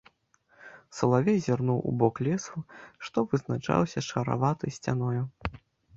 Салавей зірнуў у бок лесу, што вызначаўся шараватай сцяною.